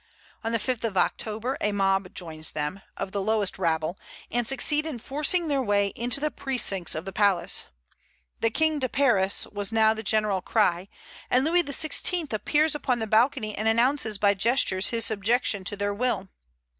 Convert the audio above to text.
On the 5th of October a mob joins them, of the lowest rabble, and succeed in forcing their way into the precincts of the palace. "The King to Paris!" was now the general cry, and Louis XVI. appears upon the balcony and announces by gestures his subjection to their will.